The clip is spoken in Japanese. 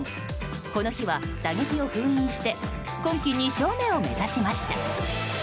この日は打撃を封印して今季２勝目を目指しました。